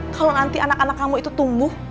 kalau nanti anak anak kamu itu tumbuh